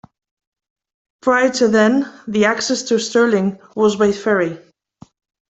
Prior to then, the access to Stirling was by ferry.